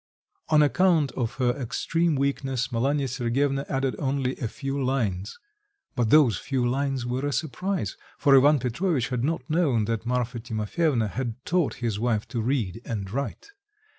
On account of her extreme weakness Malanya Sergyevna added only a few lines; but those few lines were a surprise, for Ivan Petrovitch had not known that Marfa Timofyevna had taught his wife to read and write.